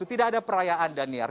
tidak ada perayaan daniar